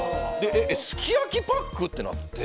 すき焼きパック！？ってなって。